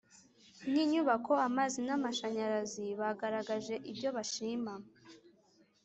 Nk ‘inyubako amazi n’ amashanyarazi Bagaragaje ibyo bashima